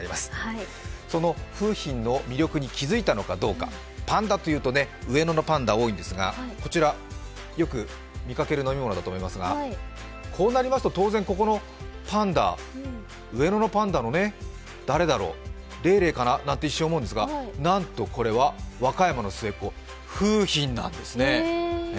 その楓浜の魅力に気づいたのかどうか、パンダというと上野のパンダ、多いんですがこちら、よく見かける飲み物だと思いますがこうなりますと当然、ここのパンダ上野のパンダの誰だろう、レイレイかな？なんて一瞬思うんですが、なんとこれは和歌山の末っ子、楓浜なんですね。